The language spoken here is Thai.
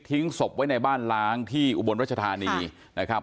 ศพไว้ในบ้านล้างที่อุบลรัชธานีนะครับ